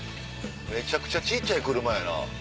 めちゃくちゃ小ちゃい車やな。